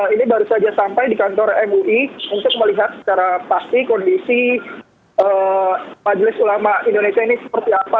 ini baru saja sampai di kantor mui untuk melihat secara pasti kondisi majelis ulama indonesia ini seperti apa